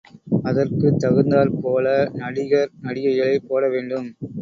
அதற்குத் தகுந்தாற்போல நடிகர் நடிகைகளை போட வேண்டும்.